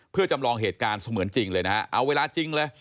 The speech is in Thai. เพื่อจำลองเหตุการณ์เหมือนจริงเลยนะฮะ